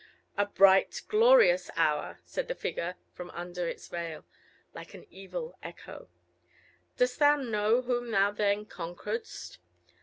"A bright, glorious hour!" said the figure from under its veil, like an evil echo. "Dost thou know whom thou then conqueredst?